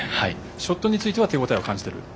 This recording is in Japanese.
ショットについては手応えを感じている？